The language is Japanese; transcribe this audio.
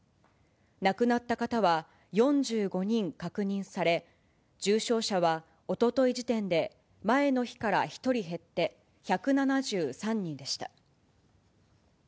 亡くなった方は４５人確認され、重症者はおととい時点で前の日から１人減って１７３人でした。